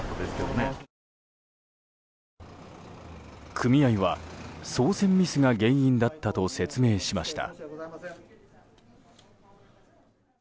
組合は操船ミスが原因だったと説明しました。